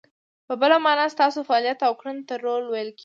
په بله مانا، ستاسو فعالیت او کړنو ته رول ویل کیږي.